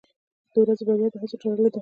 • د ورځې بریا د هڅو سره تړلې ده.